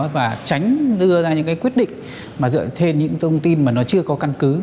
và tránh đưa ra những quyết định mà dựa trên những thông tin mà nó chưa có căn cứ